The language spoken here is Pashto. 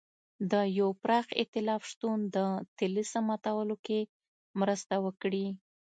د یوه پراخ اېتلاف شتون د طلسم ماتولو کې مرسته وکړي.